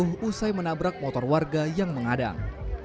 pelaku terjatuh usai menabrak motor warga yang mengadang